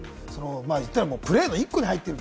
言ったらプレーの１個に入ってる。